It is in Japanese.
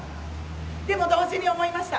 でも同時に思いました。